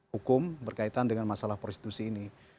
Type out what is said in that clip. hukum berkaitan dengan masalah prostitusi ini